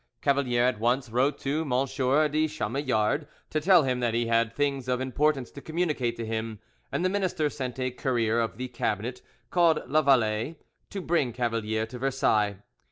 Cavalier at once wrote to M. de Chamillard to tell him that he had things of importance to communicate to him, and the minister sent a courier of the Cabinet called Lavallee to bring Cavalier to Versailles.